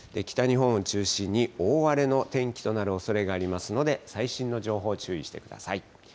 北日本を中心に、大荒れの天気となるおそれがありますので、最新の情報、注意してください。